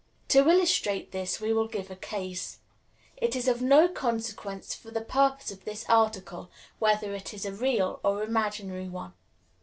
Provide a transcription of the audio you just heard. To illustrate this we will give a case. It is of no consequence, for the purpose of this article, whether it is a real or an imaginary one.